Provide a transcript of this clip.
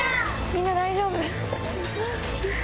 みんな大丈夫？